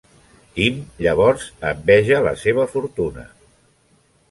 Tim llavors enveja la seva fortuna.